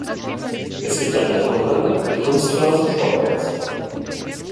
Es gibt eine Turnhalle mit Kunstrasen-Sportplatz.